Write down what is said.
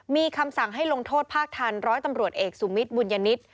มีคำสั่งให้ลงโทษภาคทันร้อยตำรวจเอกสุมิตรบุญญนิต